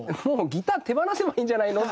ギター手放せばいいんじゃないの？